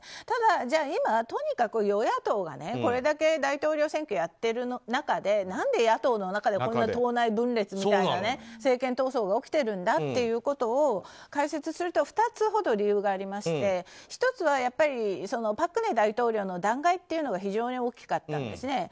ただ、今とにかく与野党がこれだけ大統領選挙をやっている中で何で野党の中でこんな党内分裂みたいな政権闘争が起きているんだっていうことを解説すると２つほど理由がありまして１つは朴槿惠大統領の弾劾というのが非常に大きかったんですね。